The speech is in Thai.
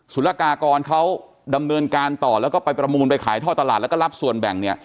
ุรกากรเขาดำเนินการต่อแล้วก็ไปประมูลไปขายท่อตลาดแล้วก็รับส่วนแบ่งเนี่ย